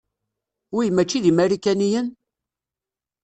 Wi mačči d imarikaniyen?